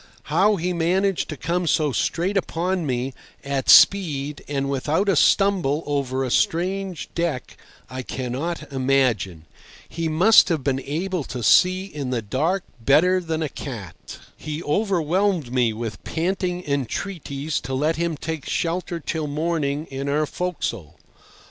How he managed to come so straight upon me, at speed and without a stumble over a strange deck, I cannot imagine. He must have been able to see in the dark better than any cat. He overwhelmed me with panting entreaties to let him take shelter till morning in our forecastle.